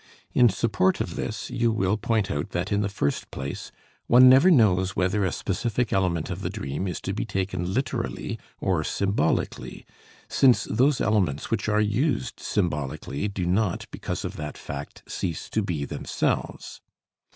In support of this you will point out that in the first place, one never knows whether a specific element of the dream is to be taken literally or symbolically, since those elements which are used symbolically do not, because of that fact, cease to be themselves.